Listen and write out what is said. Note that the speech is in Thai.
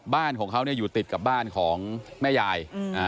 บ้านของเขาอยู่ติดกับบ้านของแม่ยาย